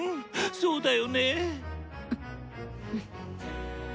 そうだよね！